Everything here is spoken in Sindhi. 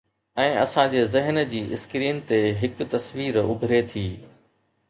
۽ اسان جي ذهن جي اسڪرين تي هڪ تصوير اڀري ٿي.